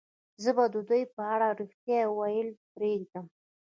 زه به د دوی په اړه رښتیا ویل پرېږدم